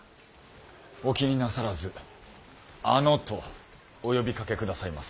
お気になさらず「あの」とお呼びかけ下さいませ。